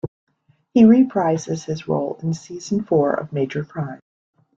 He reprises this role in season four of "Major Crimes".